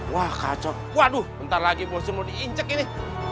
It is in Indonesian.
wakacok waduh entar lagi bos mau diinjek ini